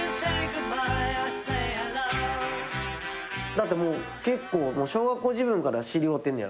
だってもう結構小学校時分から知り合うてんねやろ？